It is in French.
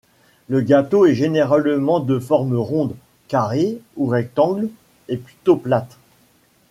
Le gâteau est généralement de forme ronde, carrée ou rectangulaire et plutôt plate.